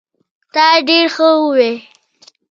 تا ډير ښه وي